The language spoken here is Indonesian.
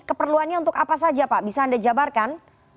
keperluannya untuk apa saja pak bisa anda jabarkan